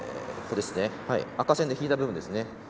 赤線で引いた部分ですね。